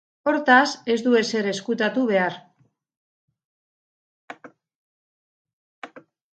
Hortaz, ez du ezer ezkutatu behar.